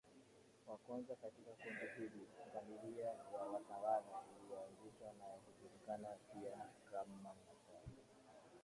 wa kwanza katika kundi hili Familia ya watawala iliyoanzishwa naye hujulikana pia kama nasaba